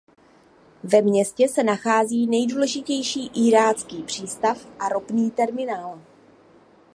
Ve městě se nachází nejdůležitější irácký přístav a ropný terminál.